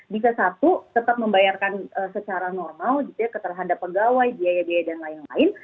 bisa satu tetap membayarkan secara normal gitu ya terhadap pegawai biaya biaya dan lain lain